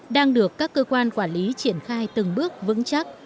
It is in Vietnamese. đang được các cơ quan quản lý triển khai từng bước vững chắc